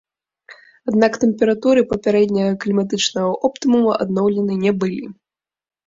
Аднак тэмпературы папярэдняга кліматычнага оптымуму адноўлены не былі.